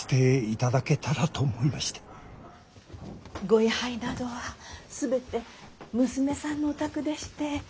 ご位牌などは全て娘さんのお宅でして。